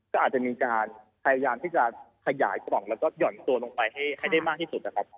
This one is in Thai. ก็อาจจะมีการพยายามที่จะขยายกล่องแล้วก็หย่อนตัวลงไปให้ได้มากที่สุดนะครับ